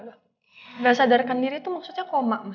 gak gak sadarkan diri itu maksudnya koma ma